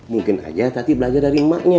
mungkin aja pati belajar dari emaknya